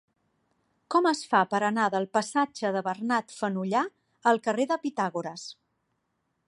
Com es fa per anar del passatge de Bernat Fenollar al carrer de Pitàgores?